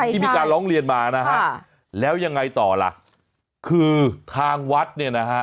ที่มีการร้องเรียนมานะฮะแล้วยังไงต่อล่ะคือทางวัดเนี่ยนะฮะ